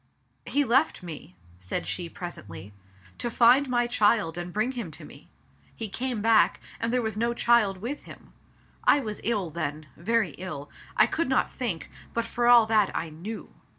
"He left me," said she pres ently — "to find my child and bring him to me. He came back, and there was no child with him. I was ill then — very ill. I could not think, but for all that, I knew.